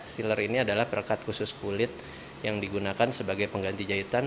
siller ini adalah perekat khusus kulit yang digunakan sebagai pengganti jahitan